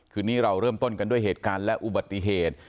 คืนนี้เราเริ่มต้นกันด้วยเหตุการณ์และอุบัติเหตุ